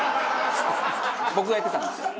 僕がやってたんです。